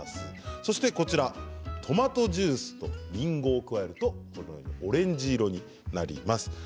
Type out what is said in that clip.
そしてトマトジュースとりんごを組み合わせるとオレンジ色になります。